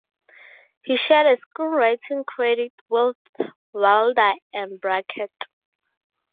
He shared a screenwriting credit with Wilder and Brackett.